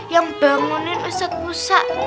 yang bangunkan ustadz musa